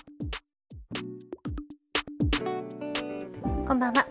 こんばんは。